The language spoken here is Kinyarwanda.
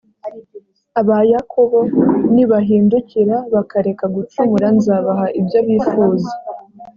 abayakobo nibahindukira bakareka gucumura, nzabaha ibyo bifuza